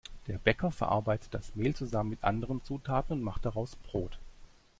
Der Bäcker verarbeitet das Mehl zusammen mit anderen Zutaten und macht daraus Brot.